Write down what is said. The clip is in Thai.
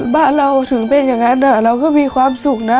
บ้านเราถึงเป็นอย่างนั้นเราก็มีความสุขนะ